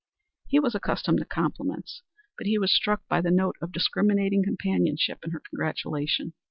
He was accustomed to compliments, but he was struck by the note of discriminating companionship in her congratulation.